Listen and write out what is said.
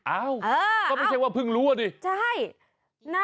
อ้าวก็ไม่ใช่ว่าเพิ่งรู้อ่ะดิอ้าวอ้าวอ้าว